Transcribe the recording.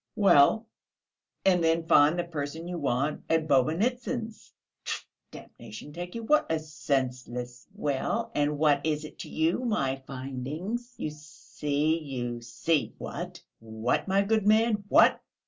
"Well, and then find the person you want at Bobynitsyn's. Tfoo, damnation take you, what a senseless...." "Well, and what is it to you, my finding? You see, you see!" "What, what, my good man? What?